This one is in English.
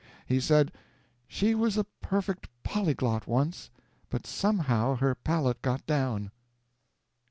He said, "She was a perfect polyglot once, but somehow her palate got down."